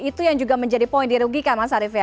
itu yang juga menjadi poin dirugikan mas arief ya